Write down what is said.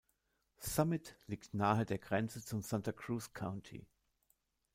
Summit liegt nahe der Grenze zum Santa Cruz County.